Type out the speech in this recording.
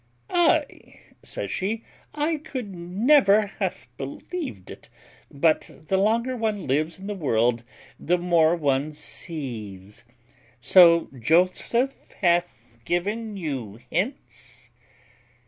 "Aye," says she, "I could never have believed it; but the longer one lives in the world, the more one sees. So Joseph hath given you hints."